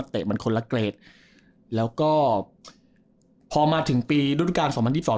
เตะมันคนละเกรดแล้วก็พอมาถึงปีรุ่นการ๒๐๒๒๒๐๒๓